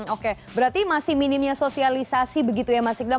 oke berarti masih minimnya sosialisasi begitu ya mas iqbal